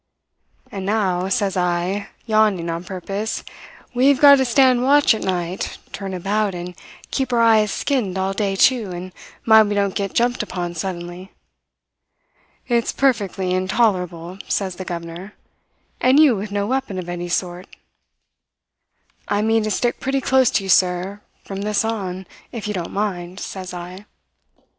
"'And now,' says I, yawning on purpose, 'we've got to stand watch at night, turn about, and keep our eyes skinned all day, too, and mind we don't get jumped upon suddenly.' "'It's perfectly intolerable,' says the governor. 'And you with no weapon of any sort!' "'I mean to stick pretty close to you, sir, from this on, if you don't mind,' says I.